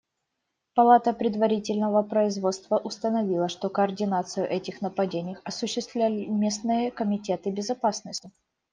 Палата предварительного производства установила, что координацию этих нападений осуществляли местные комитеты безопасности.